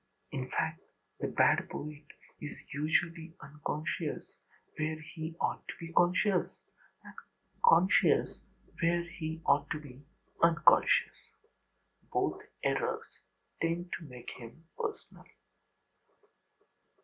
In fact, the bad poet is usually unconscious where he ought to be conscious, and conscious where he ought to be unconscious. Both errors tend to make him âpersonal.